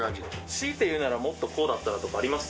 強いて言うならもっとこうだったなとかあります？